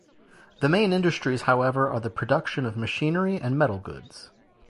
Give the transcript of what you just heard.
The main industries, however, are the production of machinery and metal goods.